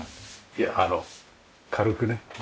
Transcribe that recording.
いやあの軽くね。